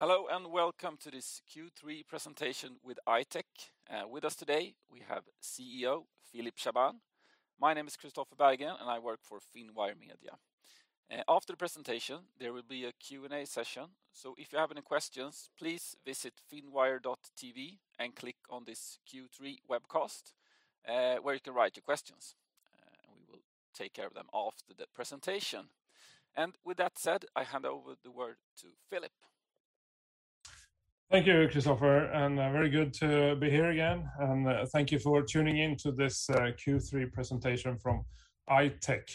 Hello and welcome to this Q3 presentation with I-Tech. With us today, we have CEO Philip Chaabane. My name is Christopher Bergen, and I work for Finwire Media. After the presentation, there will be a Q&A session, so if you have any questions, please visit finwire.tv and click on this Q3 webcast where you can write your questions. We will take care of them after the presentation. And with that said, I hand over the word to Philip. Thank you, Christopher, and very good to be here again and thank you for tuning in to this Q3 presentation from I-Tech.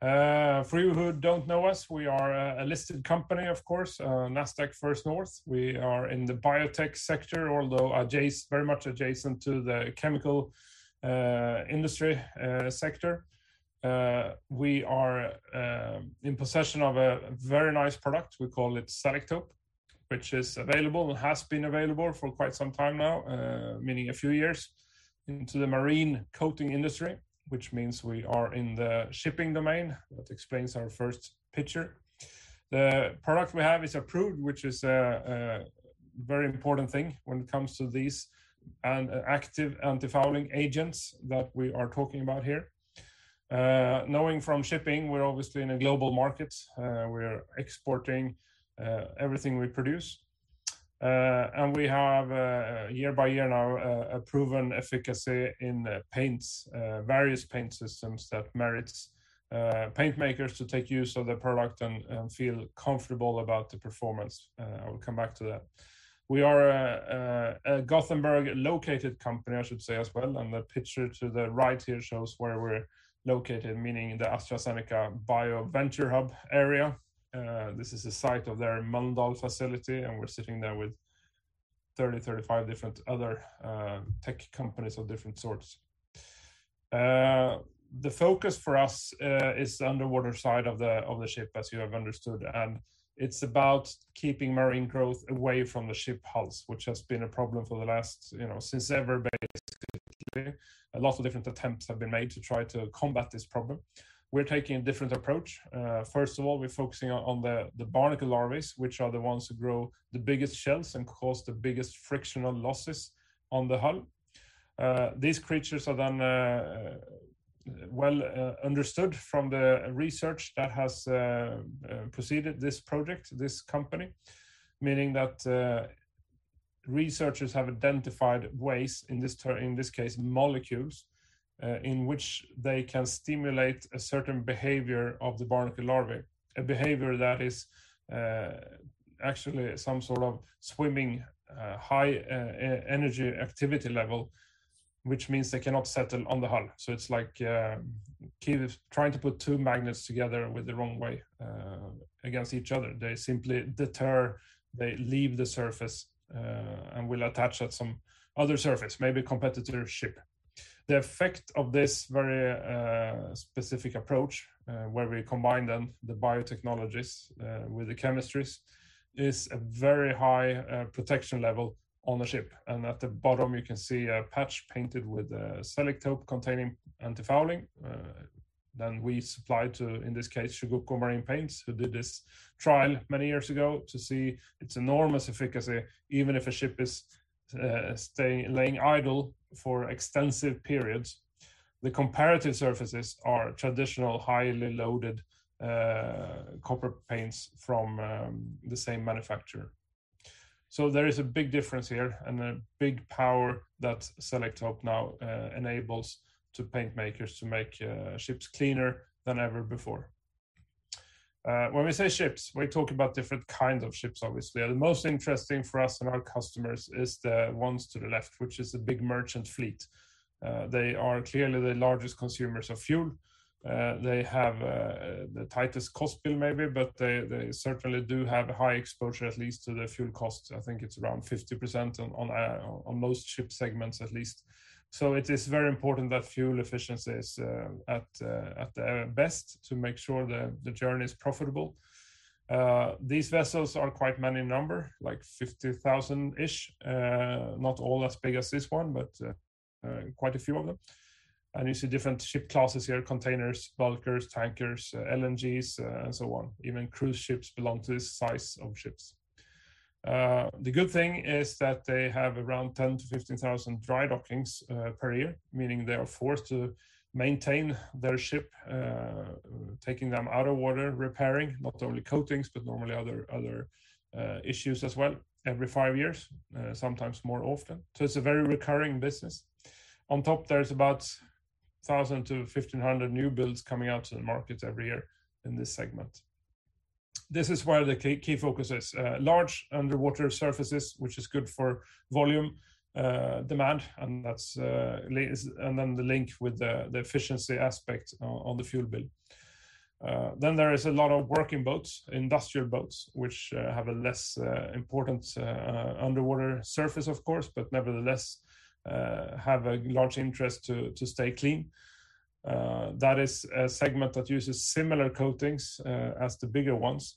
For you who don't know us, we are a listed company, of course, Nasdaq First North. We are in the biotech sector, although very much adjacent to the chemical industry sector. We are in possession of a very nice product. We call it Selektope, which is available and has been available for quite some time now, meaning a few years into the marine coating industry, which means we are in the shipping domain. That explains our first picture. The product we have is approved, which is a very important thing when it comes to these active antifouling agents that we are talking about here. Knowing from shipping, we're obviously in a global market. We're exporting everything we produce. We have, year by year now, a proven efficacy in paints, various paint systems that merit paint makers to take use of the product and feel comfortable about the performance. I will come back to that. We are a Gothenburg located company, I should say, as well. The picture to the right here shows where we're located, meaning in the AstraZeneca BioVentureHub area. This is the site of their Mölndal facility, and we're sitting there with 30-35 different other tech companies of different sorts. The focus for us is the underwater side of the ship, as you have understood, and it's about keeping marine growth away from the ship hulls, which has been a problem for the last, you know, since ever basically. A lot of different attempts have been made to try to combat this problem. We're taking a different approach. First of all, we're focusing on the barnacle larvae, which are the ones who grow the biggest shells and cause the biggest frictional losses on the hull. These creatures are then well understood from the research that has preceded this project, this company, meaning that researchers have identified ways in this case, molecules in which they can stimulate a certain behavior of the barnacle larvae, a behavior that is actually some sort of swimming high energy activity level, which means they cannot settle on the hull. So it's like trying to put two magnets together with the wrong way against each other. They simply deter, they leave the surface and will attach at some other surface, maybe a competitor ship. The effect of this very specific approach, where we combine then the biotechnologies with the chemistries, is a very high protection level on the ship. And at the bottom, you can see a patch painted with Selektope containing antifouling. Then we supplied to, in this case, Chugoku Marine Paints, who did this trial many years ago to see its enormous efficacy, even if a ship is laying idle for extensive periods. The comparative surfaces are traditional highly loaded copper paints from the same manufacturer. So there is a big difference here and a big power that Selektope now enables to paint makers to make ships cleaner than ever before. When we say ships, we talk about different kinds of ships, obviously. The most interesting for us and our customers is the ones to the left, which is a big merchant fleet. They are clearly the largest consumers of fuel. They have the tightest cost bill, maybe, but they certainly do have a high exposure, at least to the fuel costs. I think it's around 50% on most ship segments, at least. So it is very important that fuel efficiency is at the best to make sure the journey is profitable. These vessels are quite many in number, like 50,000-ish, not all as big as this one, but quite a few of them. And you see different ship classes here, containers, bulkers, tankers, LNGs, and so on. Even cruise ships belong to this size of ships. The good thing is that they have around 10,000-15,000 dry dockings per year, meaning they are forced to maintain their ship, taking them out of water, repairing not only coatings, but normally other issues as well, every five years, sometimes more often. So it's a very recurring business. On top, there's about 1,000-1,500 new builds coming out to the market every year in this segment. This is where the key focus is: large underwater surfaces, which is good for volume demand, and then the link with the efficiency aspect on the fuel bill. Then there is a lot of working boats, industrial boats, which have a less important underwater surface, of course, but nevertheless have a large interest to stay clean. That is a segment that uses similar coatings as the bigger ones.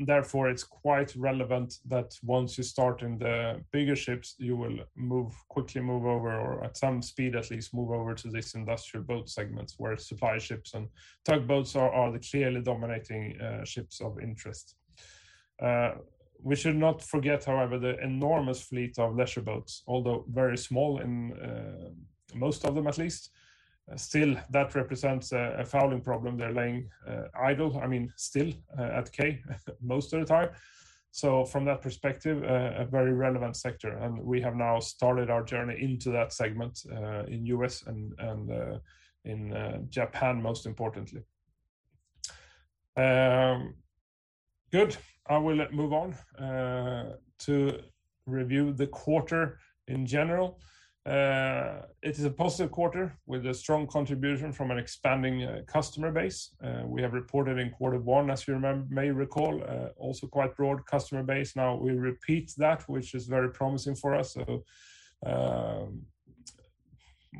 Therefore, it's quite relevant that once you start in the bigger ships, you will quickly move over, or at some speed at least, move over to these industrial boat segments where supply ships and tugboats are the clearly dominating ships of interest. We should not forget, however, the enormous fleet of leisure boats, although very small in most of them at least. Still, that represents a fouling problem. They're laying idle, I mean, still at quay most of the time. So from that perspective, a very relevant sector. And we have now started our journey into that segment in the U.S. and in Japan, most importantly. Good. I will move on to review the quarter in general. It is a positive quarter with a strong contribution from an expanding customer base. We have reported in quarter one, as you may recall, also quite a broad customer base. Now we repeat that, which is very promising for us.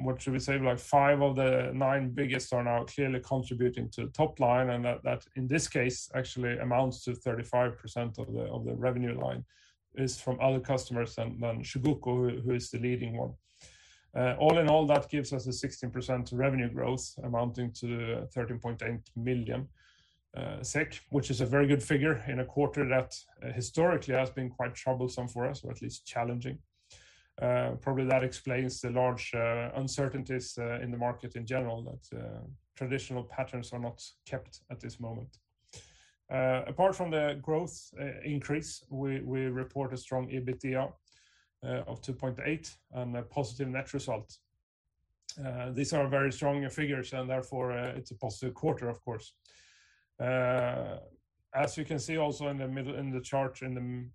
What should we say? Like five of the nine biggest are now clearly contributing to the top line. And that, in this case, actually amounts to 35% of the revenue line is from other customers than Chugoku, who is the leading one. All in all, that gives us a 16% revenue growth amounting to 13.8 million SEK, which is a very good figure in a quarter that historically has been quite troublesome for us, or at least challenging. Probably that explains the large uncertainties in the market in general, that traditional patterns are not kept at this moment. Apart from the growth increase, we report a strong EBITDA of 2.8 million and a positive net result. These are very strong figures, and therefore it's a positive quarter, of course. As you can see also in the chart in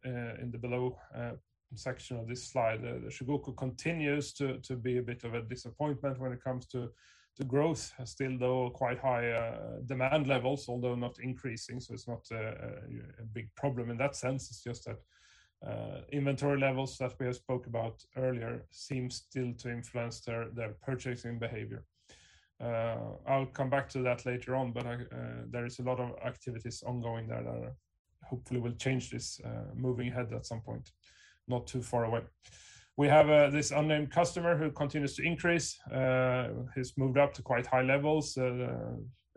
the below section of this slide, Chugoku continues to be a bit of a disappointment when it comes to growth. Still, though, quite high demand levels, although not increasing. So it's not a big problem in that sense. It's just that inventory levels that we have spoken about earlier seem still to influence their purchasing behavior. I'll come back to that later on, but there is a lot of activities ongoing there that hopefully will change this moving ahead at some point, not too far away. We have this unnamed customer who continues to increase. He's moved up to quite high levels.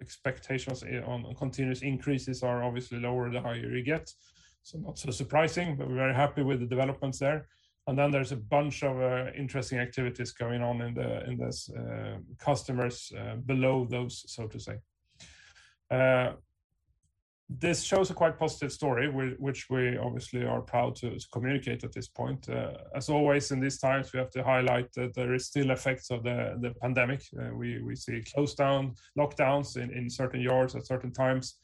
Expectations on continuous increases are obviously lower the higher you get. So not so surprising, but we're very happy with the developments there. And then there's a bunch of interesting activities going on in these customers below those, so to say. This shows a quite positive story, which we obviously are proud to communicate at this point. As always in these times, we have to highlight that there are still effects of the pandemic. We see shutdowns, lockdowns in certain yards at certain times.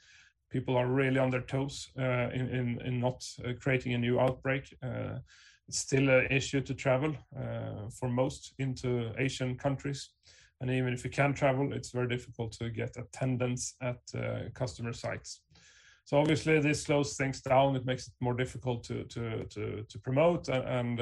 People are really on their toes in not creating a new outbreak. It's still an issue to travel for most into Asian countries. And even if you can travel, it's very difficult to get attendance at customer sites. So obviously this slows things down. It makes it more difficult to promote. And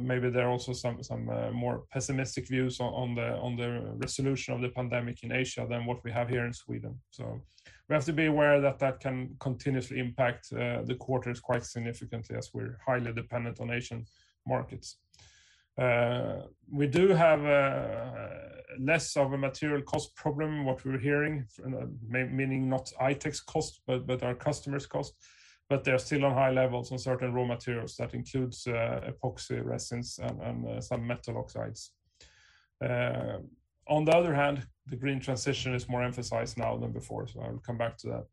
maybe there are also some more pessimistic views on the resolution of the pandemic in Asia than what we have here in Sweden. So we have to be aware that that can continuously impact the quarters quite significantly as we're highly dependent on Asian markets. We do have less of a material cost problem, what we're hearing, meaning not I-Tech's cost, but our customers' cost. But they're still on high levels on certain raw materials that include epoxy, resins, and some metal oxides. On the other hand, the green transition is more emphasized now than before. I'll come back to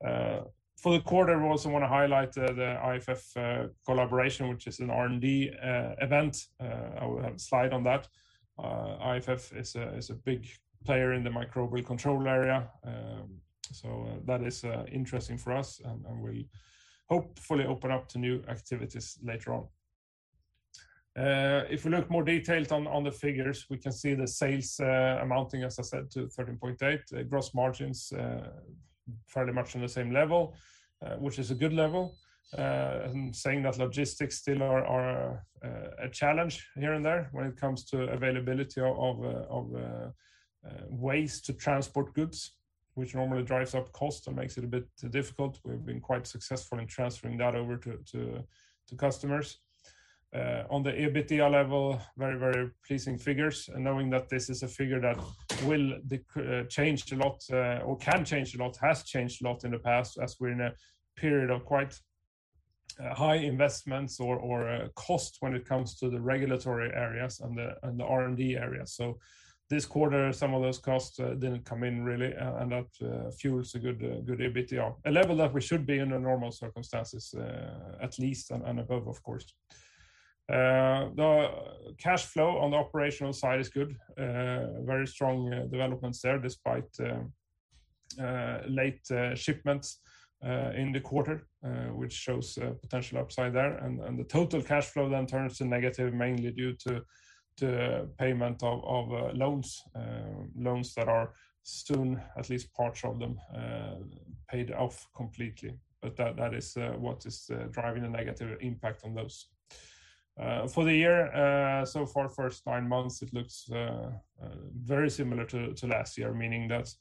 that. For the quarter, we also want to highlight the IFF collaboration, which is an R&D event. I will have a slide on that. IFF is a big player in the microbial control area. So that is interesting for us, and we'll hopefully open up to new activities later on. If we look more detailed on the figures, we can see the sales amounting, as I said, to 13.8 million. Gross margins are fairly much on the same level, which is a good level. Saying that logistics still are a challenge here and there when it comes to availability of ways to transport goods, which normally drives up cost and makes it a bit difficult. We've been quite successful in transferring that over to customers. On the EBITDA level, very, very pleasing figures. Knowing that this is a figure that will change a lot or can change a lot, has changed a lot in the past as we're in a period of quite high investments or cost when it comes to the regulatory areas and the R&D areas. This quarter, some of those costs didn't come in really, and that fuels a good EBITDA, a level that we should be in normal circumstances, at least, and above, of course. The cash flow on the operational side is good. Very strong developments there despite late shipments in the quarter, which shows potential upside there. The total cash flow then turns to negative, mainly due to payment of loans, loans that are soon, at least parts of them, paid off completely. That is what is driving the negative impact on those. For the year, so far, first nine months, it looks very similar to last year, meaning that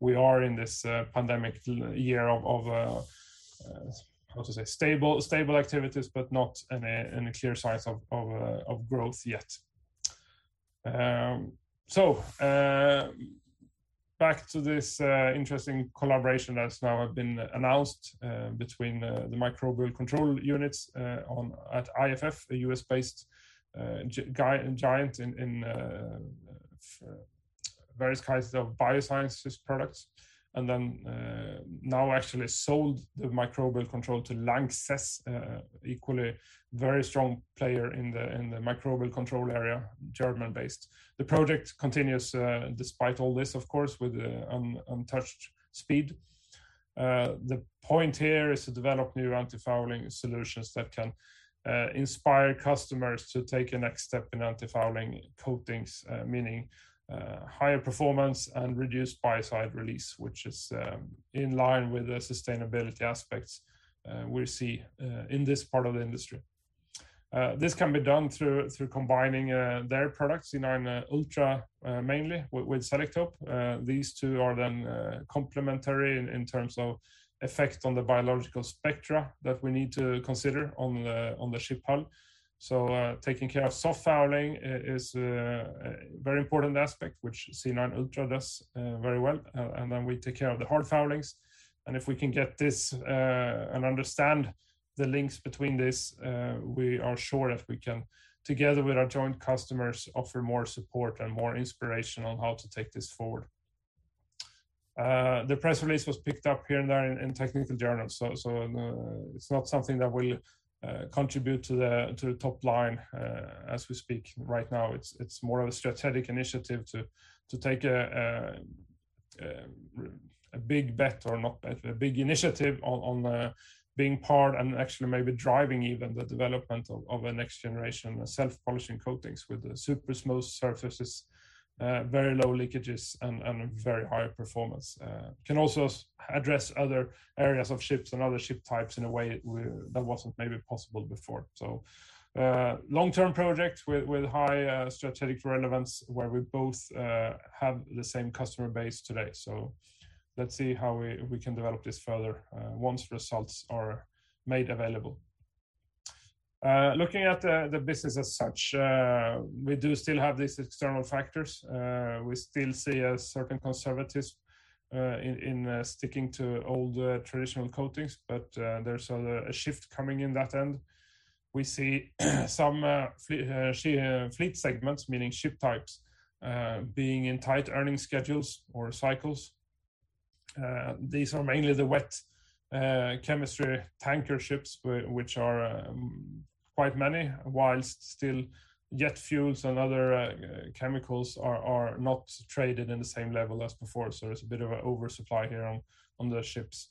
we are in this pandemic year of, how to say, stable activities, but not in a clear sign of growth yet. So back to this interesting collaboration that's now been announced between the microbial control units at IFF, a U.S.-based giant in various kinds of biosciences products. And then now actually sold the microbial control to Lanxess, equally a very strong player in the microbial control area, German-based. The project continues despite all this, of course, with untouched speed. The point here is to develop new antifouling solutions that can inspire customers to take a next step in antifouling coatings, meaning higher performance and reduced biocide release, which is in line with the sustainability aspects we see in this part of the industry. This can be done through combining their products, Sea-Nine Ultra mainly, with Selektope. These two are then complementary in terms of effect on the biological spectra that we need to consider on the ship hull. So taking care of soft fouling is a very important aspect, which Sea-Nine Ultra does very well. And then we take care of the hard foulings. And if we can get this and understand the links between this, we are sure that we can, together with our joint customers, offer more support and more inspiration on how to take this forward. The press release was picked up here and there in technical journals. So it's not something that will contribute to the top line as we speak right now. It's more of a strategic initiative to take a big bet or not a big initiative on being part and actually maybe driving even the development of a next generation self-polishing coatings with the super smooth surfaces, very low leakages, and very high performance. Can also address other areas of ships and other ship types in a way that wasn't maybe possible before. So long-term project with high strategic relevance where we both have the same customer base today. So let's see how we can develop this further once results are made available. Looking at the business as such, we do still have these external factors. We still see a certain conservatism in sticking to old traditional coatings, but there's a shift coming in that end. We see some fleet segments, meaning ship types, being in tight earning schedules or cycles. These are mainly the wet chemistry tanker ships, which are quite many, while still jet fuels and other chemicals are not traded in the same level as before. So there's a bit of an oversupply here on the ships.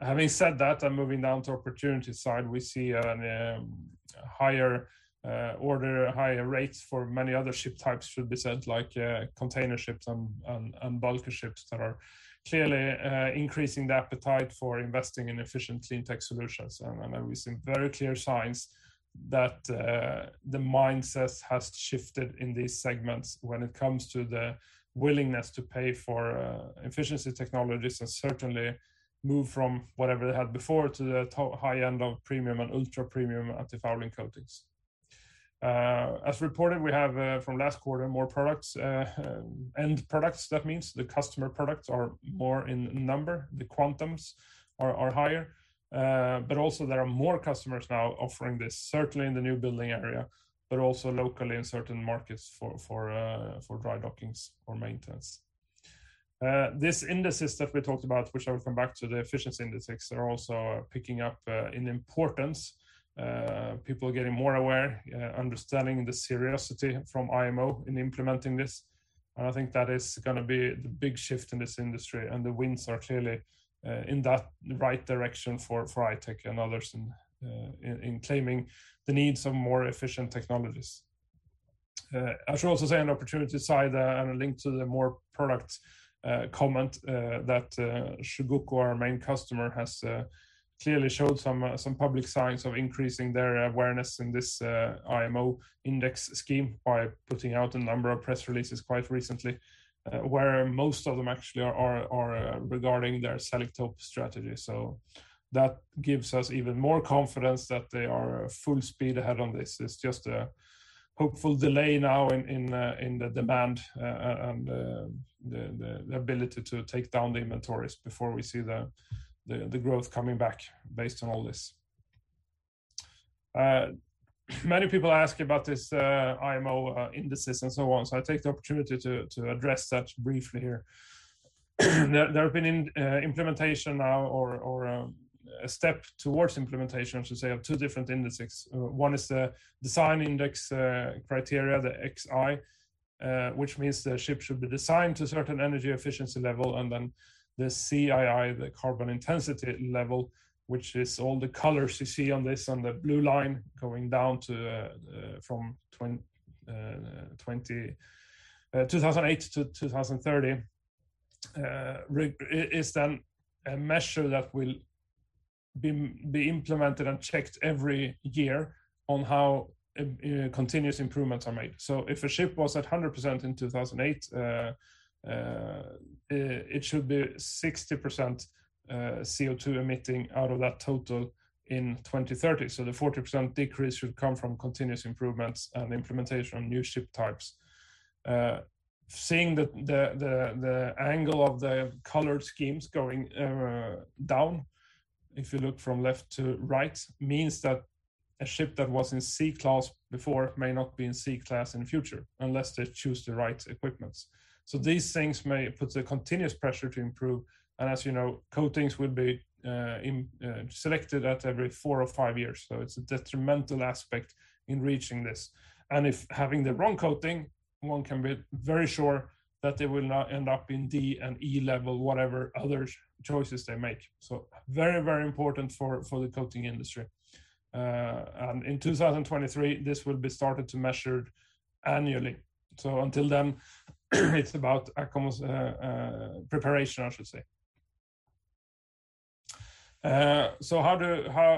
Having said that, and moving down to opportunity side, we see a higher order, higher rates for many other ship types, should be said, like container ships and bulkerships that are clearly increasing the appetite for investing in efficient clean tech solutions. And we see very clear signs that the mindset has shifted in these segments when it comes to the willingness to pay for efficiency technologies and certainly move from whatever they had before to the high end of premium and ultra premium antifouling coatings. As reported, we have from last quarter more products, end products, that means the customer products are more in number, the quantums are higher. But also there are more customers now offering this, certainly in the new building area, but also locally in certain markets for dry dockings or maintenance. These indices that we talked about, which I will come back to, the efficiency indices, are also picking up in importance. People are getting more aware, understanding the seriousness from IMO in implementing this. And I think that is going to be the big shift in this industry. And the winds are clearly in that right direction for I-Tech and others in claiming the needs of more efficient technologies. I should also say on the opportunity side and link to the more product comment that Chugoku, our main customer, has clearly showed some public signs of increasing their awareness in this IMO index scheme by putting out a number of press releases quite recently, where most of them actually are regarding their Selectope strategy. So that gives us even more confidence that they are full speed ahead on this. It's just a hopeful delay now in the demand and the ability to take down the inventories before we see the growth coming back based on all this. Many people ask about this IMO indices and so on. So I take the opportunity to address that briefly here. There have been implementation now or a step towards implementation, I should say, of two different indices. One is the design index criteria, the XI, which means the ship should be designed to a certain energy efficiency level. And then the CII, the carbon intensity level, which is all the colors you see on this on the blue line going down from 2008 to 2030, is then a measure that will be implemented and checked every year on how continuous improvements are made. If a ship was at 100% in 2008, it should be 60% CO2 emitting out of that total in 2030. The 40% decrease should come from continuous improvements and implementation of new ship types. Seeing the angle of the colored schemes going down, if you look from left to right, means that a ship that was in C class before may not be in C class in the future unless they choose the right equipments. These things may put a continuous pressure to improve. And as you know, coatings will be selected at every four or five years. It's a detrimental aspect in reaching this. If having the wrong coating, one can be very sure that they will not end up in D and E level, whatever other choices they make. It's very, very important for the coating industry. And in 2023, this will be started to measure annually. So until then, it's about preparation, I should say. So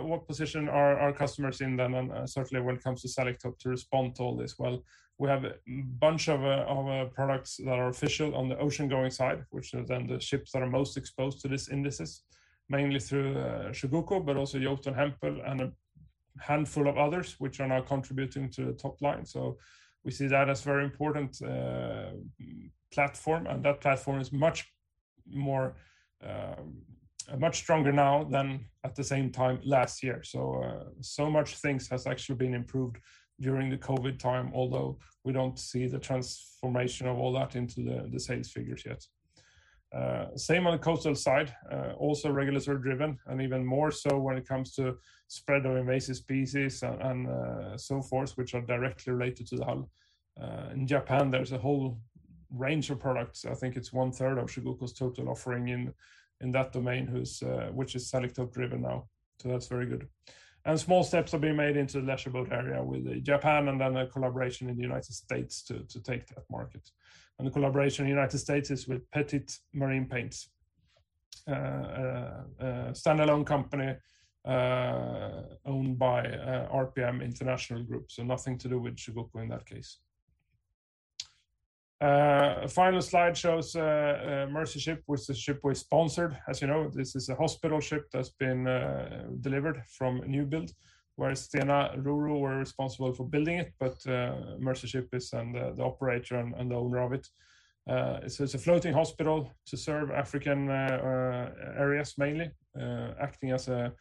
what position are our customers in then? And certainly when it comes to Selectope to respond to all this, well, we have a bunch of products that are official on the ocean-going side, which are then the ships that are most exposed to these indices, mainly through Shikoku, but also Jotun, Hempel and a handful of others, which are now contributing to the top line. So we see that as a very important platform. And that platform is much stronger now than at the same time last year. So much things has actually been improved during the COVID time, although we don't see the transformation of all that into the sales figures yet. Same on the coastal side, also regulatory driven and even more so when it comes to spread of invasive species and so forth, which are directly related to the hull. In Japan, there's a whole range of products. I think it's one third of Chugoku's total offering in that domain, which is Selektope driven now. So that's very good. And small steps are being made into the leisure boat area with Japan and then a collaboration in the United States to take that market. And the collaboration in the United States is with Pettit Marine Paint, a standalone company owned by RPM International Inc. So nothing to do with Shikoku in that case. Final slide shows Mercy Ships, which is a ship we sponsored. As you know, this is a hospital ship that's been delivered from newbuild, where Stena RoRo were responsible for building it, but Mercy Ships is the operator and the owner of it, so it's a floating hospital to serve African areas mainly, acting as an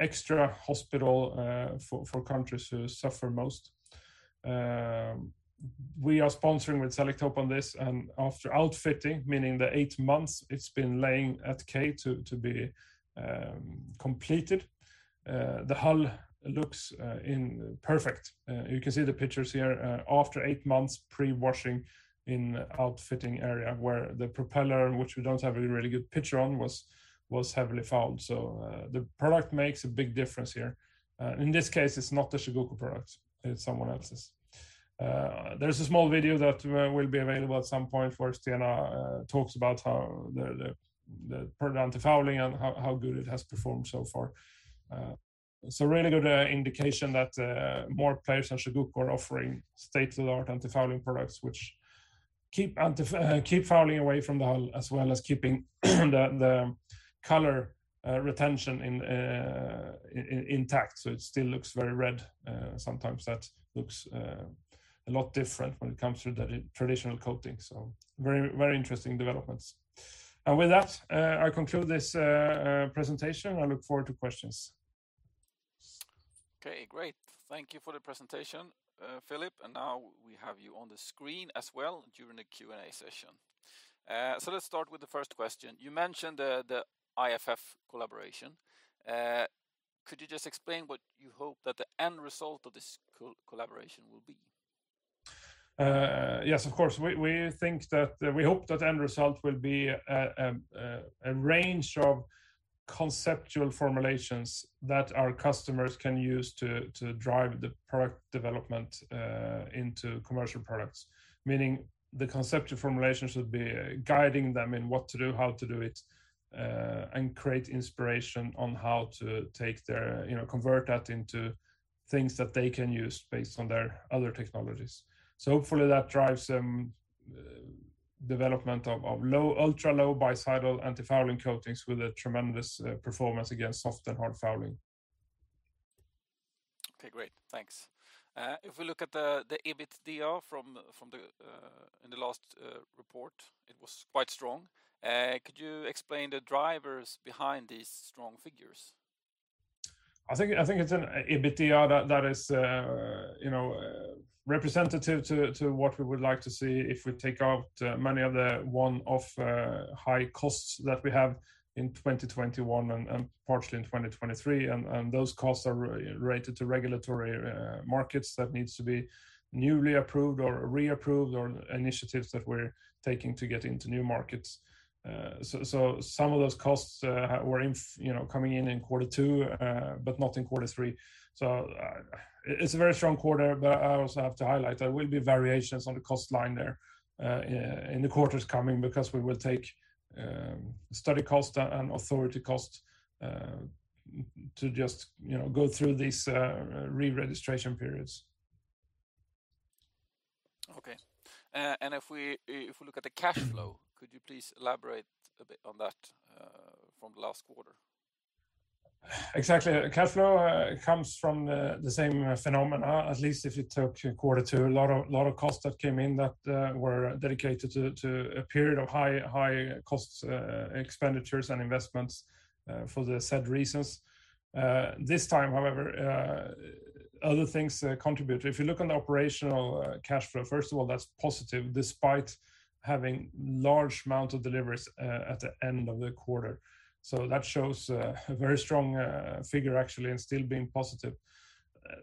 extra hospital for countries who suffer most. We are sponsoring with Selektope on this, and after outfitting, meaning the eight months, it's been laying at K to be completed. The hull looks perfect. You can see the pictures here after eight months pre-washing in the outfitting area where the propeller, which we don't have a really good picture on, was heavily fouled, so the product makes a big difference here. In this case, it's not the Chugoku product. It's someone else's. There's a small video that will be available at some point where Stena talks about the proper antifouling and how good it has performed so far. So really good indication that more players than Chugoku are offering state-of-the-art antifouling products, which keep fouling away from the hull as well as keeping the color retention intact. So it still looks very red. Sometimes that looks a lot different when it comes to the traditional coating. So very interesting developments. And with that, I conclude this presentation. I look forward to questions. Okay, great. Thank you for the presentation, Philip. And now we have you on the screen as well during the Q&A session. So let's start with the first question. You mentioned the IFF collaboration. Could you just explain what you hope that the end result of this collaboration will be? Yes, of course. We hope that the end result will be a range of conceptual formulations that our customers can use to drive the product development into commercial products, meaning the conceptual formulation should be guiding them in what to do, how to do it, and create inspiration on how to convert that into things that they can use based on their other technologies. So hopefully that drives some development of ultra low biocidal antifouling coatings with a tremendous performance against soft and hard fouling. Okay, great. Thanks. If we look at the EBITDA from the last report, it was quite strong. Could you explain the drivers behind these strong figures? I think it's an EBITDA that is representative to what we would like to see if we take out many of the one-off high costs that we have in 2021 and partially in 2023, and those costs are related to regulatory markets that need to be newly approved or reapproved or initiatives that we're taking to get into new markets, so some of those costs were coming in in quarter two, but not in quarter three, so it's a very strong quarter, but I also have to highlight there will be variations on the cost line there in the quarters coming because we will take study cost and authority cost to just go through these re-registration periods. Okay, and if we look at the cash flow, could you please elaborate a bit on that from the last quarter? Exactly. Cash flow comes from the same phenomena, at least if you took quarter two. A lot of costs that came in that were dedicated to a period of high cost expenditures and investments for the said reasons. This time, however, other things contributed. If you look on the operational cash flow, first of all, that's positive despite having large amounts of deliveries at the end of the quarter, so that shows a very strong figure actually and still being positive.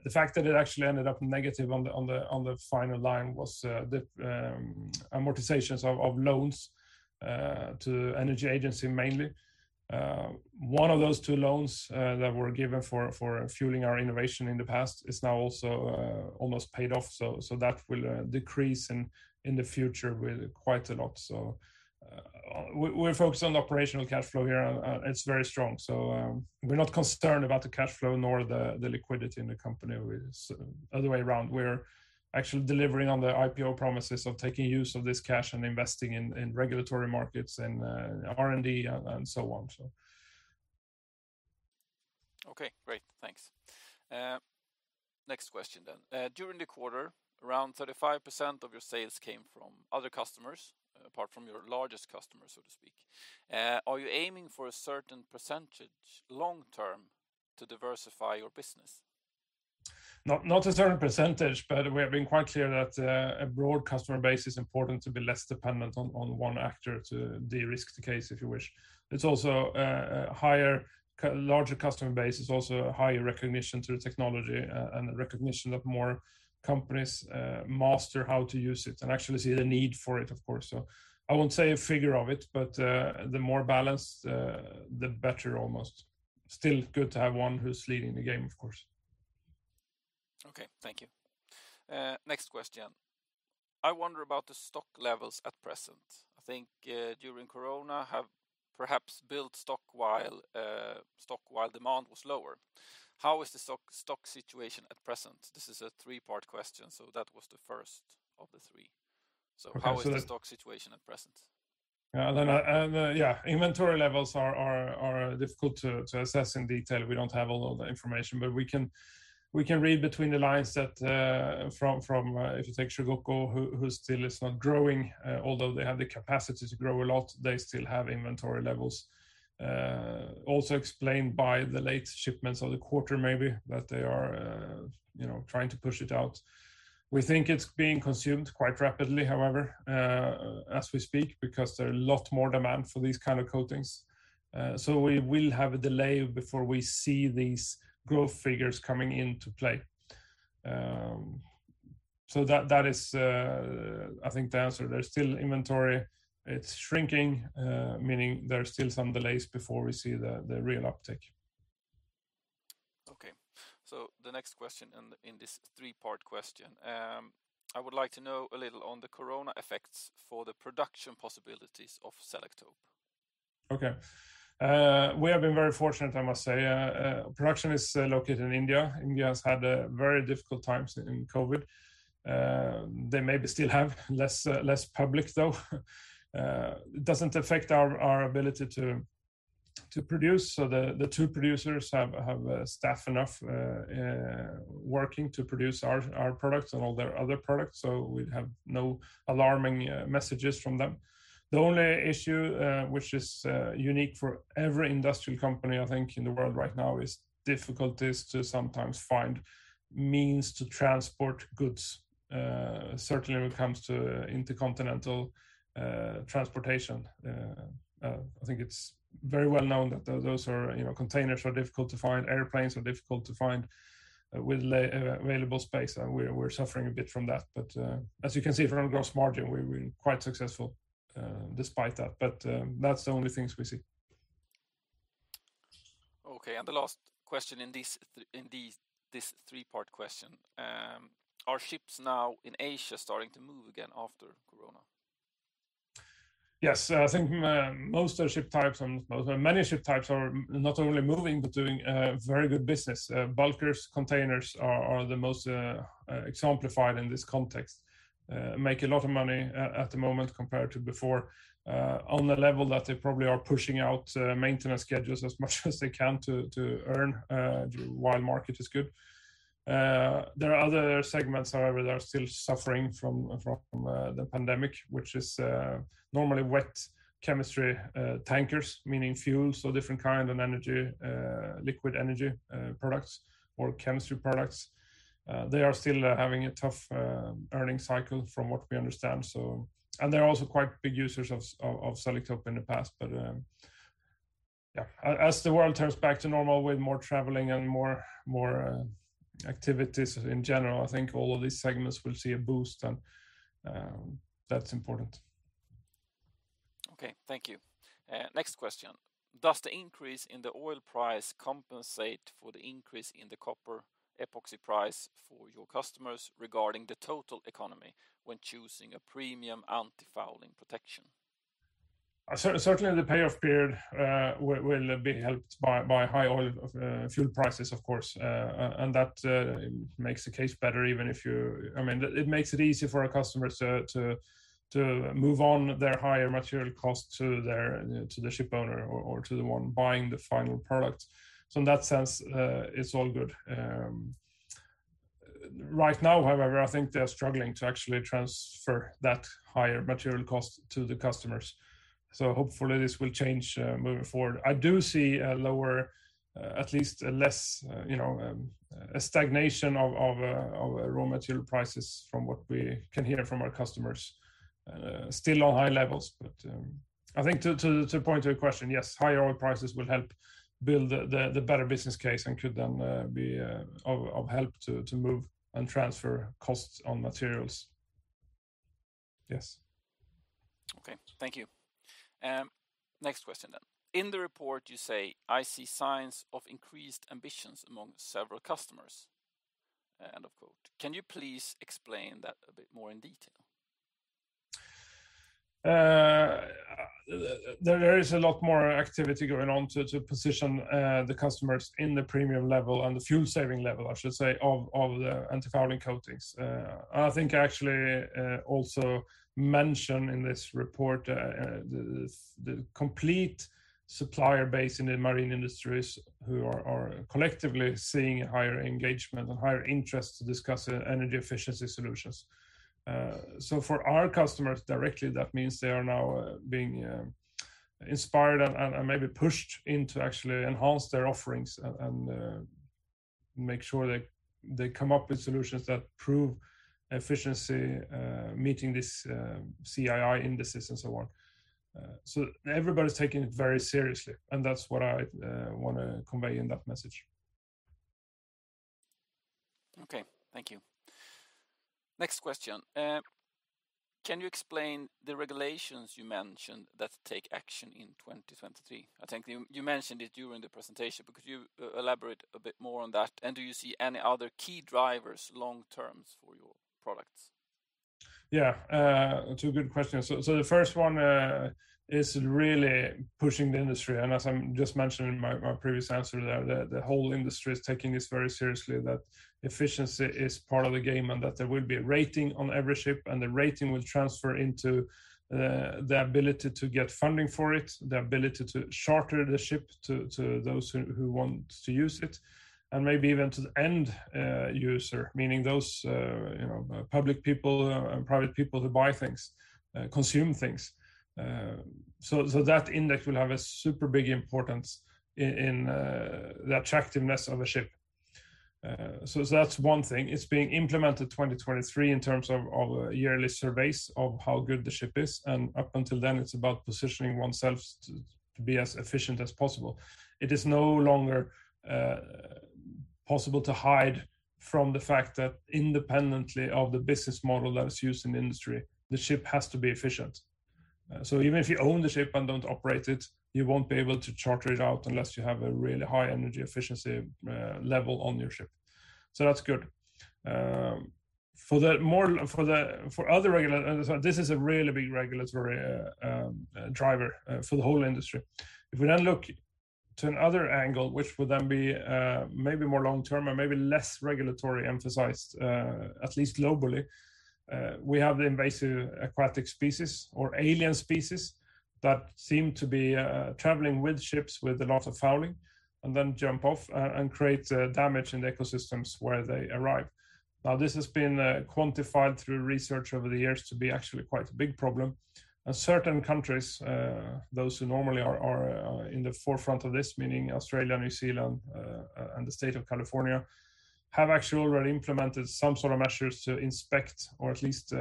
The fact that it actually ended up negative on the final line was the amortizations of loans to the energy agency mainly. One of those two loans that were given for fueling our innovation in the past is now also almost paid off, so that will decrease in the future with quite a lot, so we're focused on the operational cash flow here, and it's very strong. So we're not concerned about the cash flow nor the liquidity in the company. It's the other way around. We're actually delivering on the IPO promises of taking use of this cash and investing in regulatory markets and R&D and so on. Okay, great. Thanks. Next question then. During the quarter, around 35% of your sales came from other customers, apart from your largest customer, so to speak. Are you aiming for a certain percentage long term to diversify your business? Not a certain percentage, but we have been quite clear that a broad customer base is important to be less dependent on one actor to de-risk the case if you wish. It's also a larger customer base is also a higher recognition to the technology and a recognition that more companies master how to use it and actually see the need for it, of course. So I won't say a figure of it, but the more balanced, the better almost. Still good to have one who's leading the game, of course. Okay, thank you. Next question. I wonder about the stock levels at present. I think during Corona, perhaps build stock while demand was lower. How is the stock situation at present? This is a three-part question, so that was the first of the three. So how is the stock situation at present? Yeah, inventory levels are difficult to assess in detail. We don't have all of the information, but we can read between the lines that from, if you take Shikoku, who still is not growing, although they have the capacity to grow a lot, they still have inventory levels. Also explained by the late shipments of the quarter maybe that they are trying to push it out. We think it's being consumed quite rapidly, however, as we speak, because there's a lot more demand for these kinds of coatings. So we will have a delay before we see these growth figures coming into play. So that is, I think, the answer. There's still inventory. It's shrinking, meaning there's still some delays before we see the real uptake. Okay. So the next question in this three-part question, I would like to know a little on the Corona effects for the production possibilities of Selektope? Okay. We have been very fortunate, I must say. Production is located in India. India has had very difficult times in COVID. They maybe still have less public, though. It doesn't affect our ability to produce, so the two producers have staff enough working to produce our products and all their other products, so we have no alarming messages from them. The only issue, which is unique for every industrial company, I think, in the world right now, is difficulties to sometimes find means to transport goods, certainly when it comes to intercontinental transportation. I think it's very well known that those containers are difficult to find. Airplanes are difficult to find with available space, and we're suffering a bit from that, but as you can see from gross margin, we've been quite successful despite that, but that's the only things we see. Okay. And the last question in this three-part question, are ships now in Asia starting to move again after Corona? Yes. I think most of the ship types, many ship types are not only moving, but doing very good business. Bulkers' containers are the most exemplified in this context. They make a lot of money at the moment compared to before on the level that they probably are pushing out maintenance schedules as much as they can to earn while the market is good. There are other segments, however, that are still suffering from the pandemic, which is normally wet chemistry tankers, meaning fuels or different kinds of liquid energy products or chemistry products. They are still having a tough earning cycle from what we understand, and they're also quite big users of Selektope in the past. But yeah, as the world turns back to normal with more traveling and more activities in general, I think all of these segments will see a boost, and that's important. Okay, thank you. Next question. Does the increase in the oil price compensate for the increase in the copper epoxy price for your customers regarding the total economy when choosing a premium antifouling protection? Certainly, the payoff period will be helped by high oil fuel prices, of course. And that makes the case better. I mean, it makes it easy for our customers to move on their higher material costs to the ship owner or to the one buying the final product. So in that sense, it's all good. Right now, however, I think they're struggling to actually transfer that higher material cost to the customers. So hopefully this will change moving forward. I do see a lower, at least a less stagnation of raw material prices from what we can hear from our customers. Still on high levels, but I think to the point of your question, yes, higher oil prices will help build the better business case and could then be of help to move and transfer costs on materials. Yes. Okay, thank you. Next question then. In the report, you say, "I see signs of increased ambitions among several customers." Can you please explain that a bit more in detail? There is a lot more activity going on to position the customers in the premium level and the fuel-saving level, I should say, of the antifouling coatings. I think I actually also mentioned in this report the complete supplier base in the marine industries who are collectively seeing a higher engagement and higher interest to discuss energy efficiency solutions. So for our customers directly, that means they are now being inspired and maybe pushed into actually enhancing their offerings and make sure they come up with solutions that prove efficiency meeting these CII indices and so on. So everybody's taking it very seriously, and that's what I want to convey in that message. Okay, thank you. Next question. Can you explain the regulations you mentioned that take action in 2023? I think you mentioned it during the presentation because you elaborate a bit more on that. And do you see any other key drivers long term for your products? Yeah, it's a good question. So the first one is really pushing the industry, and as I just mentioned in my previous answer, the whole industry is taking this very seriously, that efficiency is part of the game and that there will be a rating on every ship, and the rating will transfer into the ability to get funding for it, the ability to charter the ship to those who want to use it, and maybe even to the end user, meaning those public people and private people who buy things, consume things. That index will have a super big importance in the attractiveness of a ship. That's one thing. It's being implemented in 2023 in terms of yearly surveys of how good the ship is, and up until then, it's about positioning oneself to be as efficient as possible. It is no longer possible to hide from the fact that independently of the business model that is used in the industry, the ship has to be efficient. So even if you own the ship and don't operate it, you won't be able to charter it out unless you have a really high energy efficiency level on your ship. So that's good. For other regulations, this is a really big regulatory driver for the whole industry. If we then look to another angle, which would then be maybe more long term and maybe less regulatory emphasized, at least globally, we have the invasive aquatic species or alien species that seem to be traveling with ships with a lot of fouling and then jump off and create damage in the ecosystems where they arrive. Now, this has been quantified through research over the years to be actually quite a big problem. Certain countries, those who normally are in the forefront of this, meaning Australia, New Zealand, and the state of California, have actually already implemented some sort of measures to inspect or at least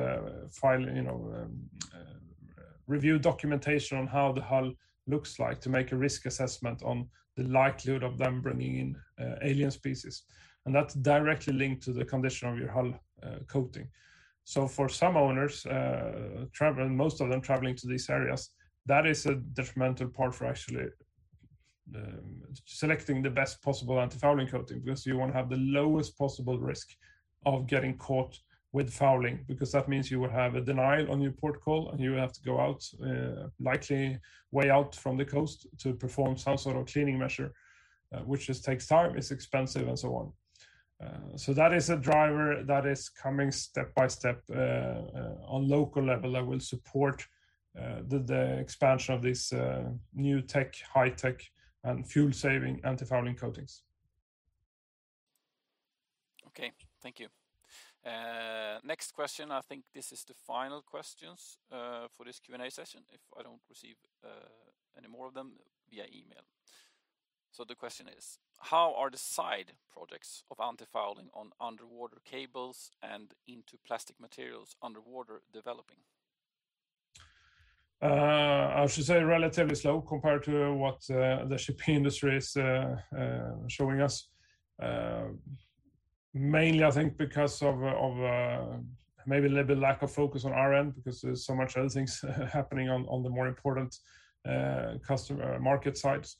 review documentation on how the hull looks like to make a risk assessment on the likelihood of them bringing in alien species. That's directly linked to the condition of your hull coating. For some owners, most of them traveling to these areas, that is a detrimental part for actually selecting the best possible antifouling coating because you want to have the lowest possible risk of getting caught with fouling because that means you will have a denial on your port call and you have to go out, likely way out from the coast to perform some sort of cleaning measure, which just takes time, is expensive, and so on. So that is a driver that is coming step by step on local level that will support the expansion of these new tech, high tech, and fuel-saving antifouling coatings. Okay, thank you. Next question. I think this is the final questions for this Q&A session if I don't receive any more of them via email. So the question is, how are the side projects of antifouling on underwater cables and into plastic materials underwater developing? I should say relatively slow compared to what the shipping industry is showing us. Mainly, I think because of maybe a little bit of lack of focus on our end because there's so much other things happening on the more important customer market sides.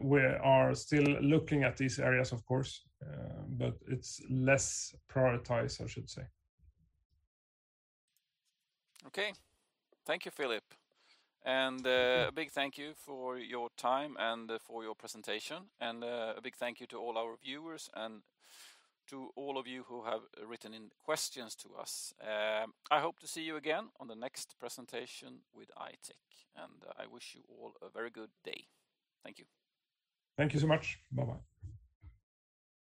We are still looking at these areas, of course, but it's less prioritized, I should say. Okay, thank you, Philip. And a big thank you for your time and for your presentation. And a big thank you to all our viewers and to all of you who have written in questions to us. I hope to see you again on the next presentation with I-Tech. And I wish you all a very good day. Thank you. Thank you so much. Bye-bye.